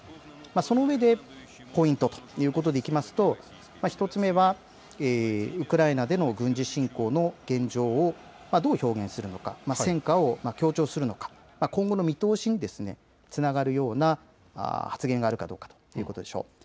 そのうえでポイントということでいきますと１つ目はウクライナでの軍事侵攻の現状をどう表現するのか、戦果を強調するのか、今後の見通しにつながるような発言があるかどうかということでしょう。